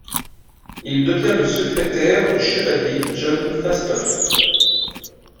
Il devient le secrétaire du chevalier John Fastolf.